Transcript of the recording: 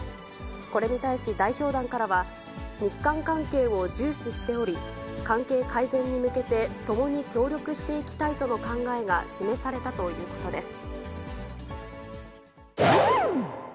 これに対し代表団からは、日韓関係を重視しており、関係改善に向けて共に協力していきたいとの考えが示されたということです。